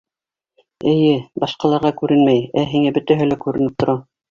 Эйе, башҡаларға күренмәй, ә һиңә бөтәһе лә күренеп тора.